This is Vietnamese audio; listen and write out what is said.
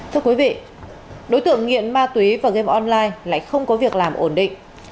thưa quý vị đối tượng nghiện ma túy và game online lại không có việc làm ổn định